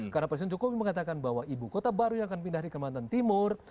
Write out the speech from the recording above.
karena presiden jokowi mengatakan bahwa ibu kota baru yang akan pindah di kementerian timur